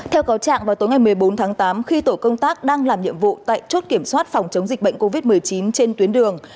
theo cáo trạng vào tối ngày một mươi bốn tháng tám khi tổ công tác đang làm nhiệm vụ tại chốt kiểm soát phòng chống dịch bệnh covid một mươi chín trên tuyến đường